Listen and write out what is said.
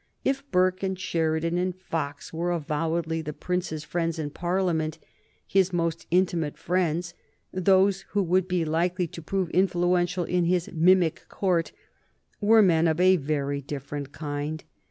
If Burke and Sheridan and Fox were avowedly the Prince's friends in Parliament, his most intimate friends, those who would be likely to prove influential in his mimic Court, were men of a very different kind.